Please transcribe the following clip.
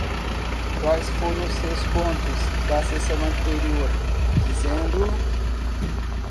Quais foram os seus pontos da sessão anterior dizendo?